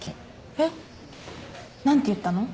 えっ何て言ったの？